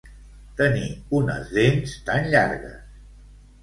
Tenir unes dents tan llargues.